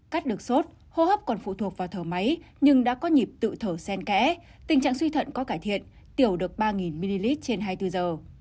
cắt được sốt hô hấp còn phụ thuộc vào thở máy nhưng đã có nhịp tự thở sen kẽ tình trạng suy thận có cải thiện tiểu được ba ml trên hai mươi bốn giờ